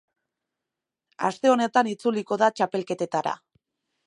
Aste honetan itzuliko da txapelketetara.